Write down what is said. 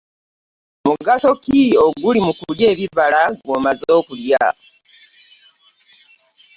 Mugaso ki oguli mu kulya ebibala nga omaze okulya?